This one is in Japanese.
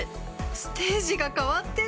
ステージが変わってる！